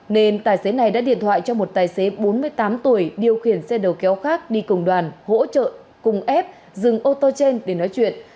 nên tài xế này đã điện thoại cho một tài xế bốn mươi tám tuổi điều khiển xe đầu kéo khác đi cùng đoàn hỗ trợ cùng ép dừng ô tô trên để nói chuyện